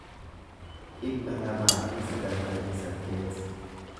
dhibba lamaa fi sagaltamii saddeet